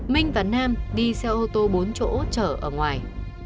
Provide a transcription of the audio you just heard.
minh và nam đi xe ô tô bốn chỗ chở ở ngoài